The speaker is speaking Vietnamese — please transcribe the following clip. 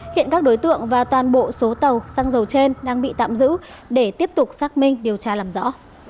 hiện các đối tượng và toàn bộ số tàu xăng dầu trên đang bị tạm giữ để tiếp tục xác minh điều tra làm rõ